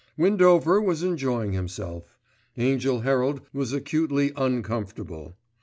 Windover was enjoying himself, Angell Herald was acutely uncomfortable.